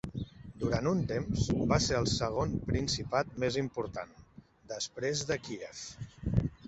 Durant un temps, va ser el segon principat més important, després de Kiev.